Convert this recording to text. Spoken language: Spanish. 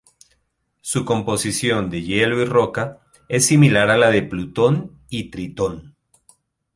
Su composición de hielo y roca es similar a la de Plutón y Tritón.